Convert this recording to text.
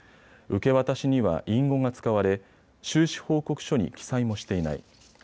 受け渡しには隠語が使われ収支報告書に記載もしていない。